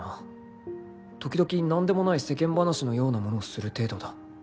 時々何でもない世間話のようなものをする程度だ